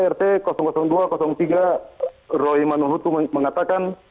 rt dua ew tiga roi manuhutu mengatakan